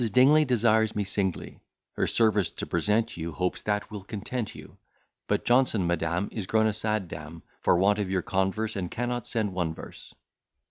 Dingley desires me singly Her service to present you; hopes that will content you; But Johnson madam is grown a sad dame, For want of your converse, and cannot send one verse.